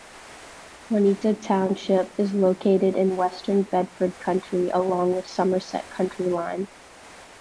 Juniata Township is located in western Bedford County, along the Somerset County line.